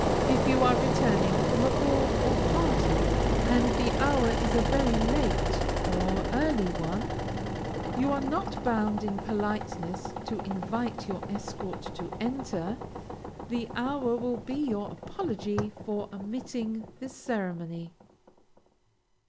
If you are returning from a ball or party, and the hour is a very late (or early) one, you are not bound in politeness to invite your escort to enter; the hour will be your apology for omitting the ceremony.